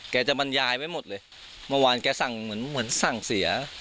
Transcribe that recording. จะบรรยายไว้หมดเลยเมื่อวานแกสั่งเหมือนเหมือนสั่งเสีย